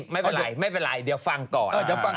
แม่ไม่เป็นไรเดี๋ยวฟังก่อน